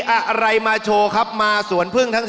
โอเคเจอแล้วครับ